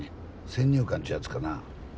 先入観っちゅうやつかな？